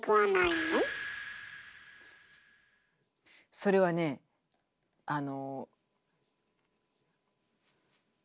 それはねあの。